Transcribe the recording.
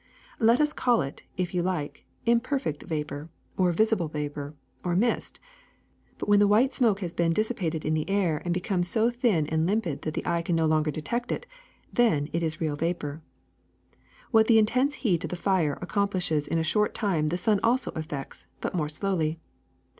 ^^Let us call it, if you like, imperfect vapor, or visible vapor, or mist. But when the white smoke has been dissipated in the air and become so thin and limpid that the eye can no longer detect it, then it is real vapor. What the intense heat of the fire accomplishes in a short time the sun also effects, but more slowly.